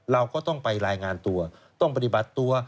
เราก็ต้องไปรายงานตัวต้องปฏิบัติตัว